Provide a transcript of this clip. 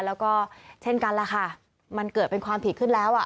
แล้วก็เช่นกันแหละค่ะมันเกิดเป็นความผิดขึ้นแล้วอ่ะ